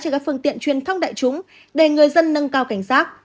trên các phương tiện truyền thông đại chúng để người dân nâng cao cảnh giác